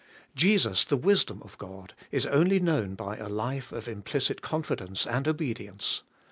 Jesus, the wisdom of God, is only known by a life of implicit confidence and obedience.